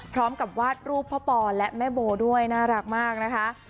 พร้อมกับวาดรูปพ่อปอและแม่โบด้วยน่ารักมากนะคะ